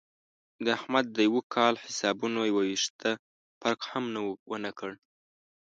د احمد د یوه کال حسابونو یو وېښته فرق هم ونه کړ.